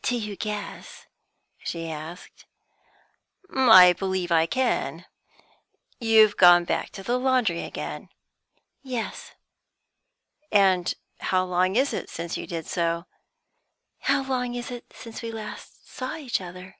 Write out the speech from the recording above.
"Do you guess?" she asked. "I believe I can. You have gone back to the laundry again?" "Yes." "And how long is it since you did so?" "How long is it since we last saw each other?"